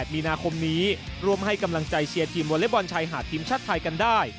มีนาคมนี้ร่วมให้กำลังใจเชียร์ทีมวอเล็กบอลชายหาดทีมชาติไทยกันได้